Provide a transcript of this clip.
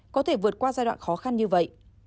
có thể vượt qua giai đoạn khó khăn như vậy